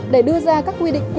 để đưa ra các quy định cụ thể